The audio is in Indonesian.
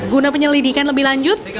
guna penyelidikan lebih lanjut